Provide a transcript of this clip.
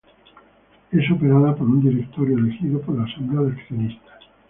Es operada por un directorio elegido por la asamblea de accionistas.